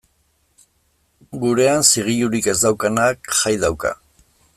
Gurean, zigilurik ez daukanak jai dauka.